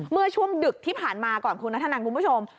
เมื่อช่วงดึกที่ผ่านมาก่อนคุณนัทธนันคุณผู้ชม